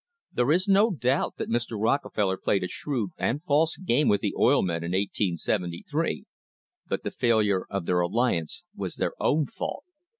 There is no doubt that Mr. Rockefeller played a shrewd and false game with the oil men in 1873, but the failure of their alliance was their own fault.